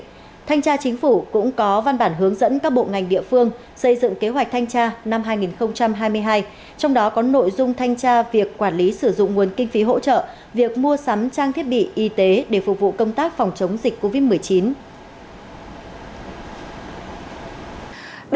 thanh tra chính phủ cũng có văn bản hướng dẫn các bộ ngành địa phương xây dựng kế hoạch thanh tra năm hai nghìn hai mươi hai trong đó có nội dung thanh tra việc quản lý sử dụng nguồn kinh phí hỗ trợ việc mua sắm trang thiết bị y tế để phục vụ công tác phòng chống dịch covid một mươi chín